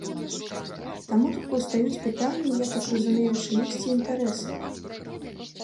Таму тут паўстаюць пытанні, я так разумею, чыіхсьці інтарэсаў.